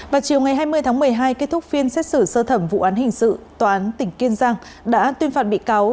vào chiều ngày hai mươi tháng một mươi hai kết thúc phiên xét xử sơ thẩm vụ án hình sự tòa án tỉnh kiên giang đã tuyên phạt bị cáo